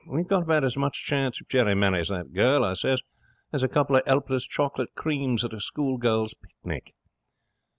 We've got about as much chance, if Jerry marries that girl," I says, "as a couple of helpless chocolate creams at a school girls' picnic."